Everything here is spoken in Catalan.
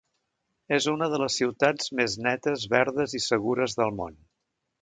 És una de les ciutats més netes, verdes i segures del món.